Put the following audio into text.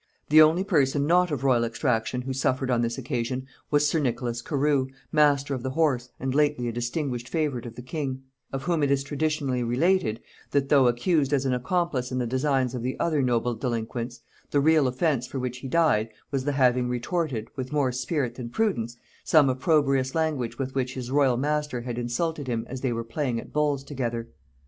The only person not of royal extraction who suffered on this occasion was sir Nicholas Carew, master of the horse, and lately a distinguished favourite of the king; of whom it is traditionally related, that though accused as an accomplice in the designs of the other noble delinquents, the real offence for which he died, was the having retorted, with more spirit than prudence, some opprobrious language with which his royal master had insulted him as they were playing at bowls together.